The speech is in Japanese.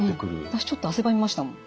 私ちょっと汗ばみましたもん。